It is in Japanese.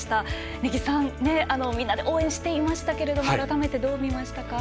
根木さん、みんなで応援していましたが改めてどう見ましたか？